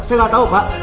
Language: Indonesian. saya gak tau mbak